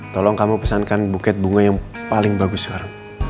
tolong kamu pesankan buket bunga yang paling bagus sekarang